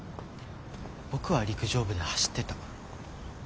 僕は陸上部で走ってた。